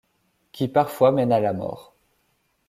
Qui parfois mène à la mort.